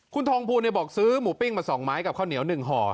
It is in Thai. คุณทองพูลเนี่ยบอกซื้อหมูปิ้งมาสองไม้กับข้าวเหนียวหนึ่งห่อ